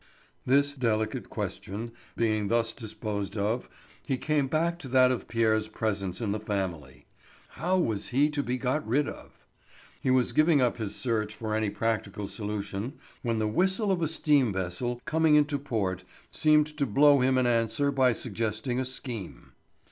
This delicate question being thus disposed of he came back to that of Pierre's presence in the family. How was he to be got rid of? He was giving up his search for any practical solution when the whistle of a steam vessel coming into port seemed to blow him an answer by suggesting a scheme.